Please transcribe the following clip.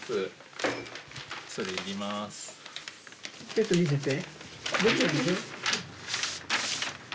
ちょっと見せて。